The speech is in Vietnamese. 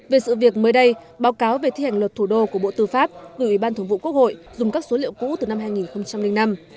về sự việc mới đây báo cáo về thi hành luật thủ đô của bộ tư pháp gửi ủy ban thường vụ quốc hội dùng các số liệu cũ từ năm hai nghìn năm